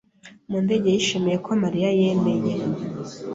Mudenge yishimiye ko Mariya yemeye.